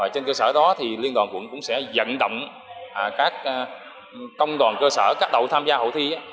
trên cơ sở đó liên đoàn quận cũng sẽ dẫn động các công đoàn cơ sở các đầu tham gia hội thi